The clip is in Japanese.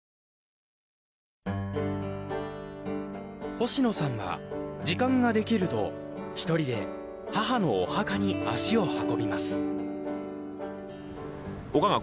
星野さんは時間ができると一人で母のお墓に足を運びます。